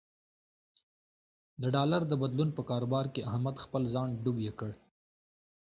د ډالر د بدلون په کاروبار کې احمد خپل ځان ډوب یې کړ.